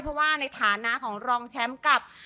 เพราะว่าในฐานะของรองแชมป์กับ